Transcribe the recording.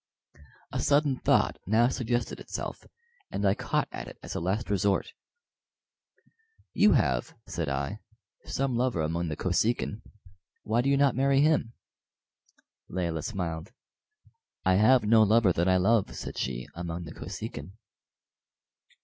A sudden thought now suggested itself, and I caught at it as a last resort. "You have," said I, "some lover among the Kosekin. Why do you not marry him?" Layelah smiled. "I have no lover that I love," said she, "among the Kosekin."